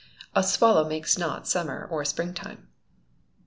[A SWALLOW MAKES NOT SUMMER OR SPRING TIME.